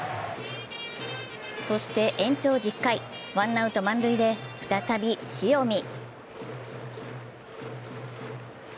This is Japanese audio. そして延長１０回、ワンアウト満塁で再び塩見。